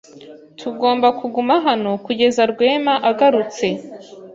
Tugomba kuguma hano kugeza Rwema agarutse.